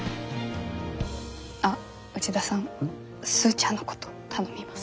あっ内田さんスーちゃんのこと頼みます。